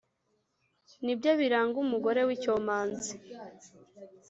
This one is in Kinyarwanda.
ni byo biranga umugore w’icyomanzi.